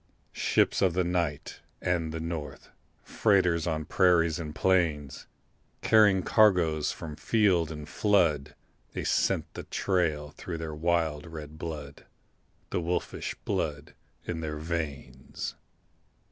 Ships of the night and the north, Freighters on prairies and plains, Carrying cargoes from field and flood They scent the trail through their wild red blood, The wolfish blood in their veins.